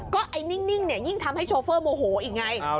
ก็ไอ้นิ่งเนี่ยยิ่งทำให้โชเฟอร์โมโหอีกไง